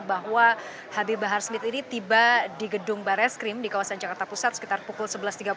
bahwa habib bahar smith ini tiba di gedung barreskrim di kawasan jakarta pusat sekitar pukul sebelas tiga puluh